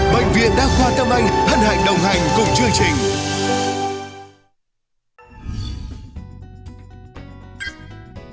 bệnh viện đa khoa tâm anh hân hạnh đồng hành cùng chương trình